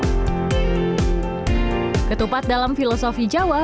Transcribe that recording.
ini wearing hat di sini ya pak